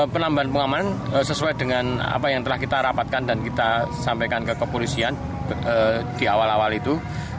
penambahan pengamanan sesuai dengan apa yang telah kita rapatkan dan kita sampaikan ke kepolisian di awal awal itu